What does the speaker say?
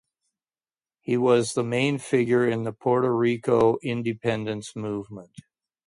He was the main figure in the Puerto Rico independence movement.